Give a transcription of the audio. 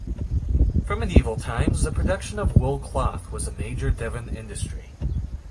From medieval times the production of wool cloth was a major Devon industry.